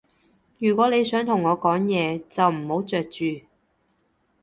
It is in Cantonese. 如果你想同我講嘢，就唔好嚼住